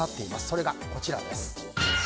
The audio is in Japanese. それが、こちらです。